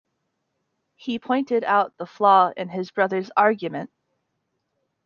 He pointed out the flaw in his brother’s argument.